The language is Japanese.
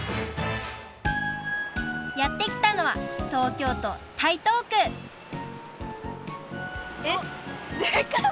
やってきたのはえっでかい！